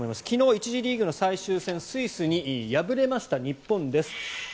昨日、１次リーグの最終戦スイスに敗れました日本です。